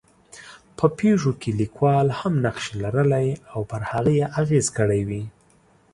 په پېښو کې لیکوال هم نقش لرلی او پر هغې یې اغېز کړی وي.